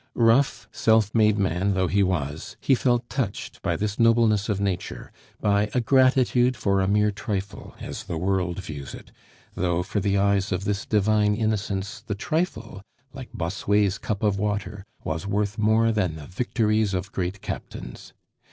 Rough, self made man though he was, he felt touched by this nobleness of nature, by a gratitude for a mere trifle, as the world views it; though for the eyes of this divine innocence the trifle, like Bossuet's cup of water, was worth more than the victories of great captains.